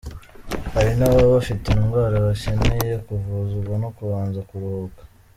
Hari n’ababa bafite indwara bakeneye kuvuzwa no kubanza kuruhuka.